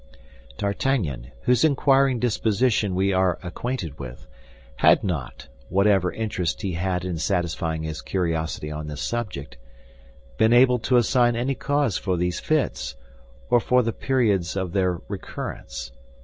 D'Artagnan, whose inquiring disposition we are acquainted with, had not—whatever interest he had in satisfying his curiosity on this subject—been able to assign any cause for these fits, or for the periods of their recurrence.